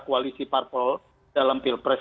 koalisi purple dalam pilpres